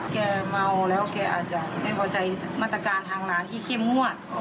แกเมาแล้วแกอาจจะไม่พอใจมาตรการทางร้านที่เข้มงวด